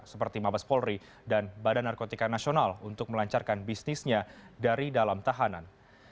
seperti mabes polri dan badan narkotika nasional untuk melancarkan bisnisnya dari dalam tahanan